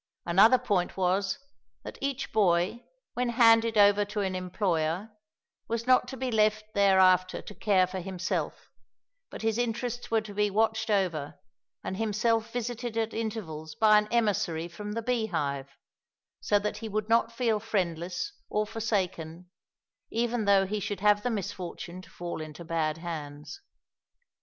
Another point was, that each boy, when handed over to an employer, was not to be left thereafter to care for himself, but his interests were to be watched over and himself visited at intervals by an emissary from the Beehive, so that he would not feel friendless or forsaken even though he should have the misfortune to fall into bad hands.